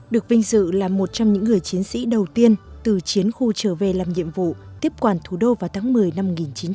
được vinh dự là một trong những người chiến sĩ đầu tiên từ chiến khu trở về làm nhiệm vụ tiếp quản thủ đô vào tháng một mươi năm một nghìn chín trăm bảy mươi